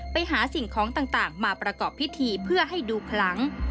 ไปหาสิ่งของต่างมาประกอบพิธีเพื่อให้ดูครั้ง